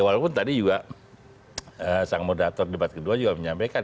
walaupun tadi juga sang moderator debat kedua juga menyampaikan